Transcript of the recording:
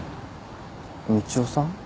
みちおさん？